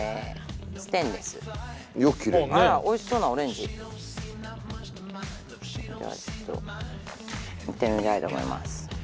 ステンレスあらおいしそうなオレンジではちょっといってみたいと思います